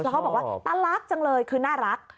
เขาบอกว่าตารักจังเลยคือน่ารัก